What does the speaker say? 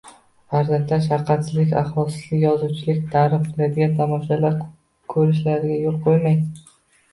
Farzandlar shafqatsizlik, axloqsizlik, yovuzlikni targ‘ib qiladigan tomoshalar ko‘rishlariga yo‘l qo‘ymang.